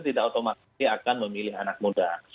tidak otomatis akan memilih anak muda